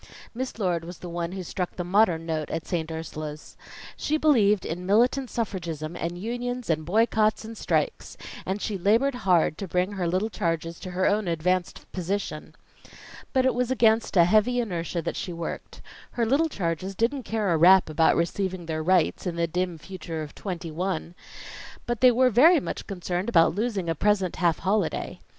Miss Lord was the one who struck the modern note at St. Ursula's. She believed in militant suffragism and unions and boycotts and strikes; and she labored hard to bring her little charges to her own advanced position. But it was against a heavy inertia that she worked. Her little charges didn't care a rap about receiving their rights, in the dim future of twenty one; but they were very much concerned about losing a present half holiday.